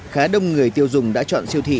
khá đông người tiêu dùng đã chọn siêu thị